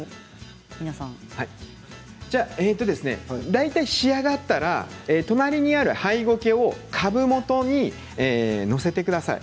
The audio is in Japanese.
大体、仕上がったら隣にあるハイゴケを株元に載せてください。